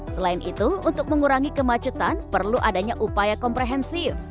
selain itu untuk mengurangi kemacetan perlu adanya upaya komprehensif